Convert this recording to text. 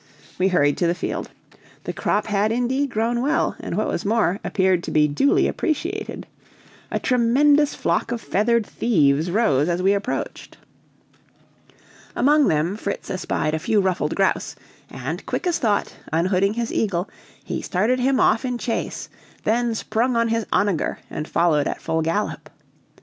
We hurried to the field. The crop had indeed grown well, and, what was more, appeared to be duly appreciated. A tremendous flock of feathered thieves rose as we approached. Among them Fritz espied a few ruffed grouse, and, quick as thought, unhooding his eagle, he started him off in chase, then sprung on his onager and followed at full gallop.